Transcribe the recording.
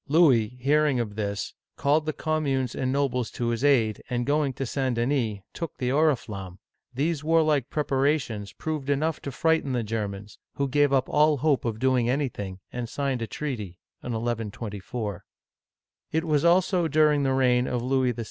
Louis, hearing of this, called the com munes and nobles to his aid, and going to St. Denis, took the oriflamme. These warlike preparations proved enough to frighten the Germans, who gave up all hope of doing anything, and signed a treaty ( 1 1 24). It was also during the reign of Louis VI.